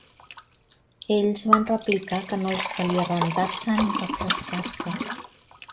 Ells van replicar que no els calia rentar-se ni refrescar-se.